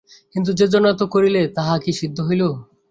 কিন্ত যেজন্য এত করিলে তাহা কি সিদ্ধ হইল।